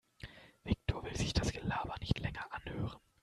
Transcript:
Viktor will sich das Gelaber nicht länger anhören.